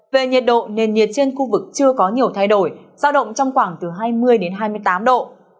về nhiệt độ nền nhiệt trên khu vực chưa có nhiều thay đổi giao động trong khoảng từ hai mươi hai mươi tám độ